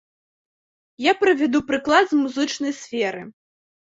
Я прывяду прыклад з музычнай сферы.